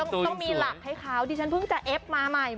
ต้องมีหลักให้เขาดิฉันเพิ่งจะเอฟมาใหม่